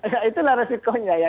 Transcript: ya itulah resikonya ya